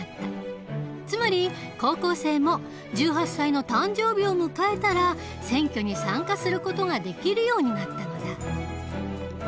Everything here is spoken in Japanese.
つまり高校生も１８歳の誕生日を迎えたら選挙に参加する事ができるようになったのだ。